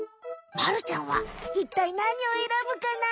まるちゃんはいったいなにをえらぶかな？